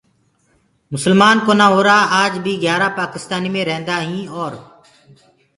مسلمآن ڪونآ هُرآ آج بي گھيآرآ پآڪِستآني مي ريهنٚدآئينٚ اور